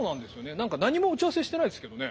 何か何も打ち合わせしてないんですけどね。